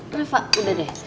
reva udah deh